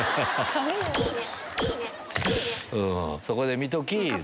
そこで見ときぃ。